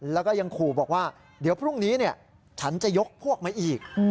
แล้วก็ยังขู่บอกว่าเดี๋ยวพรุ่งนี้ฉันจะยกพวกมาอีก